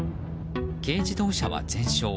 軽自動車は全焼。